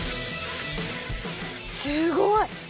すごい！